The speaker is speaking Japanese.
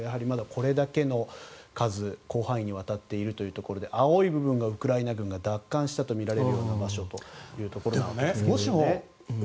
これだけの数、広範囲にわたっているということで青い部分がウクライナ軍が奪還したとみられる場所ということです。